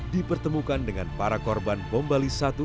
dipertemukan dengan para korban bom bali satu